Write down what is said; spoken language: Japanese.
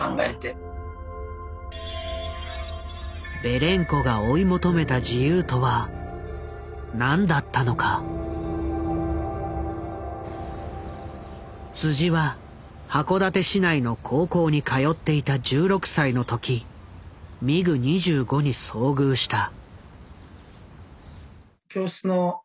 ベレンコが追い求めた自由とは何だったのか。は函館市内の高校に通っていた１６歳の時ミグ２５に遭遇した。